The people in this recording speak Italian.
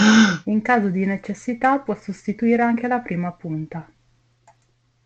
In caso di necessità può sostituire anche la prima punta.